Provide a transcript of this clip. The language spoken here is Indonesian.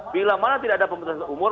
bila mana tidak ada pembebasan umur